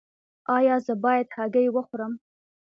ایا زه باید هګۍ وخورم؟